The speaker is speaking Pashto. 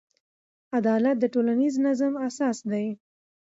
عدالت د ټولنیز نظم اساس دی.